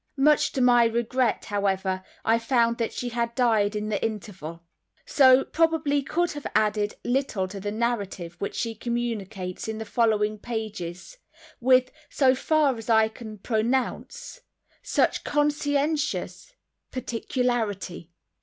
Much to my regret, however, I found that she had died in the interval. She, probably, could have added little to the Narrative which she communicates in the following pages, with, so far as I can pronounce, such conscientious particularity.